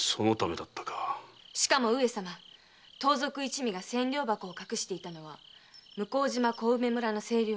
しかも上様盗賊一味が千両箱を隠していたのは向島の清涼庵。